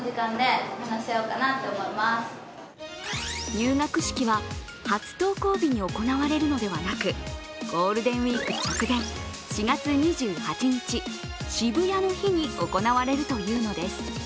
入学式は初登校日に行われるのではなく、ゴールデンウイーク直前、４月２８日、シブヤの日に行われるというのです。